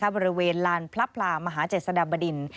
บริเวณลานพระพลามหาเจษฎาบดิน